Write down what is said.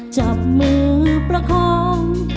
จับมือประคอง